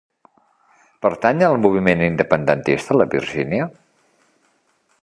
Pertany al moviment independentista la Virginia?